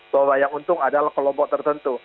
bahwa yang untung adalah kelompok tertentu